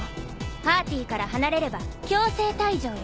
パーティーから離れれば強制退場よ。